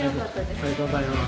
ありがとうございます。